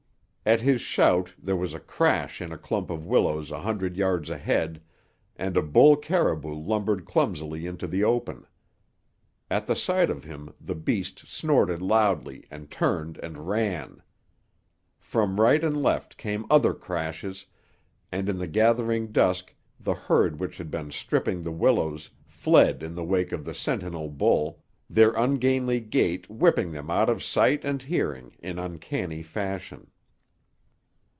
At his shout there was a crash in a clump of willows a hundred yards ahead and a bull caribou lumbered clumsily into the open. At the sight of him the beast snorted loudly and turned and ran. From right and left came other crashes, and in the gathering dusk the herd which had been stripping the willows fled in the wake of the sentinel bull, their ungainly gait whipping them out of sight and hearing in uncanny fashion.